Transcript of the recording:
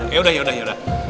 eh yaudah yaudah yaudah